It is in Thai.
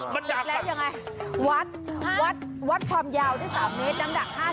มาจากกันวัดความยาวได้๓เมตรน้ำหนัก๕๐กิโลกรัม